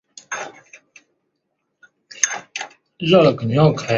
极限学习机的名称来自新加坡南洋理工大学黄广斌教授所建立的模型。